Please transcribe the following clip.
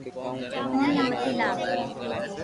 او ني متي لاو